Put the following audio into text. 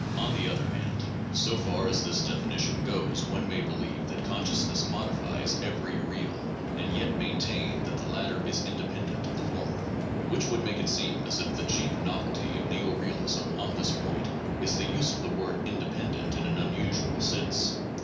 On the other hand, 208 THE JOURNAL OF PHILOSOPHY so far as this definition goes, one may believe that consciousness modi fies every real and yet maintain that the latter is independent of the former — which would make it seem as if the chief novelty of neo realism on this point is the use of the word independent in an unusual sense.